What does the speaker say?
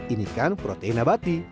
ini kan protein abadi